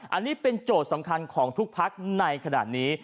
อันนี้เป็นโจทย์สำคัญของทุกพักในขณะนี้